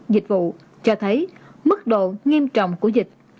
dịch vụ cho thấy mức độ nghiêm trọng của dịch